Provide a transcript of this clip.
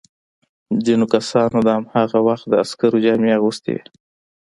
ځینو کسانو د هماغه وخت د عسکرو جامې اغوستي وې.